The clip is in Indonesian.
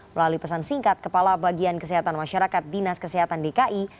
melalui pesan singkat kepala bagian kesehatan masyarakat dinas kesehatan dki